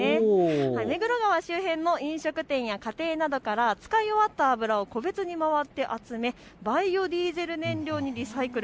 目黒川周辺の飲食店や家庭などから使い終わった油を個別に回って集めバイオディーゼル燃料にリサイクル。